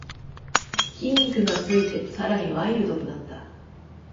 筋肉がついてさらにワイルドになった